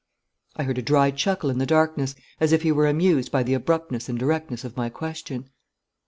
I heard a dry chuckle in the darkness, as if he were amused by the abruptness and directness of my question.